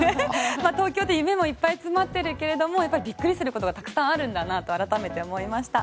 東京で夢もいっぱい詰まっているけどやっぱりびっくりすることがたくさんあるんだなと改めて思いました。